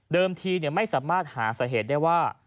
ทีไม่สามารถหาสาเหตุได้ว่า